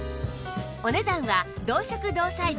お値段は同色同サイズ